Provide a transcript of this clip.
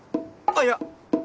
あっいや。